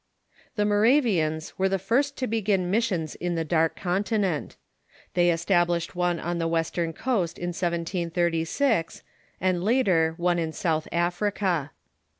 The Moravians were the first to begin missions in the Dark Continent. They established one on the western coast in 1736, and, later, one in South Africa.